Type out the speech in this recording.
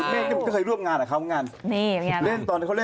เมฆเคยร่วมงานอ่ะครับ